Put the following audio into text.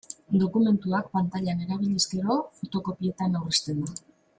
Dokumentuak pantailan erabiliz gero, fotokopietan aurrezten da.